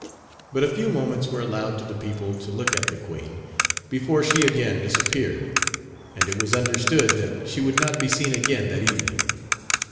But a few moments were allowed to the people to look at the Queen, before she again disappeared; and it was understood that she would not be seen again that evening.